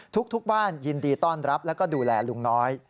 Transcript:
ทุกบ้านยินดีต้อนรับแล้วก็ดูแลลุงน้อย